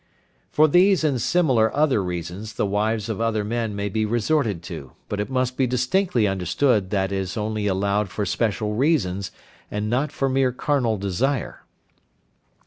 For these and similar other reasons the wives of other men may be resorted to, but it must be distinctly understood that is only allowed for special reasons, and not for mere carnal desire.